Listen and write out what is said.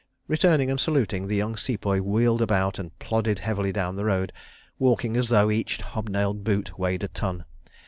Returning and saluting, the young Sepoy wheeled about and plodded heavily down the road, walking as though each hob nailed boat weighed a ton.